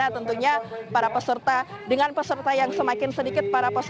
tentunya dengan peserta yang semakin sedikit